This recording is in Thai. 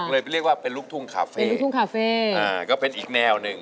เลยเรียกว่าเป็นลูกทุ่งคาเฟ่ก็เป็นอีกแนวนึง